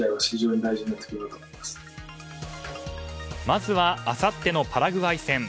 まずはあさってのパラグアイ戦。